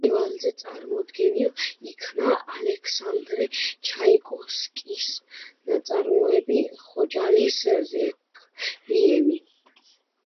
ფესტივალზე წარმოდგენილ იქნა ალექსანდრე ჩაიკოვსკის ნაწარმოები „ხოჯალის რექვიემი“.